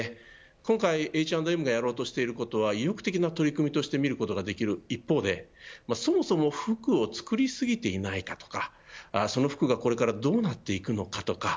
今回Ｈ＆Ｍがやろうとしていることは意欲的な取り組みとしてみることができる一方でそもそも服を作り過ぎていないかとかその服がこれからどうなっていくのかとか。